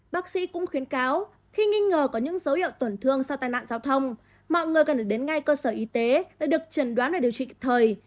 bác sĩ cũng khuyến cáo khi nghi ngờ có những dấu hiệu tổn thương sau tai nạn giao thông mọi người cần được đến ngay cơ sở y tế để được trần đoán để điều trị thời